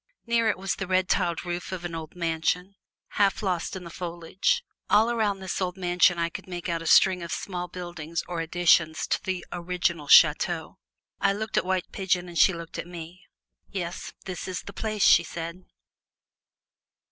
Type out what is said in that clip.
Near it was the red tile roof of an old mansion, half lost in the foliage. All around this old mansion I could make out a string of small buildings or additions to the original chateau. I looked at White Pigeon and she looked at me. "Yes; that is the place!" she said.